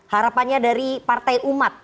harapannya dari partai umat